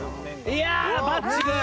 いやあバッチグー！